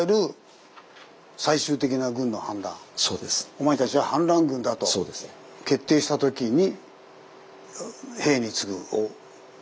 お前たちは反乱軍だと決定した時に「兵に告ぐ」を。